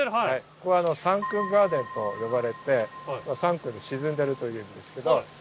ここはサンクンガーデンと呼ばれてサンクンって沈んでるという意味ですけど。